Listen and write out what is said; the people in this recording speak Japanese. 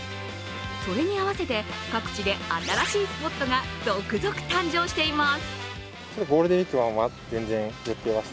それに合わせて、各地で新しいスポットが続々誕生しています。